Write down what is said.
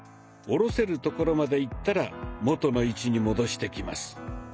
下ろせるところまでいったら元の位置に戻してきます。